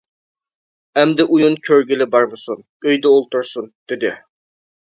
ئەمدى ئويۇن كۆرگىلى بارمىسۇن، ئۆيدە ئولتۇرسۇن، دېدى.